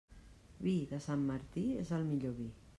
Vi de Sant Martí és el millor vi.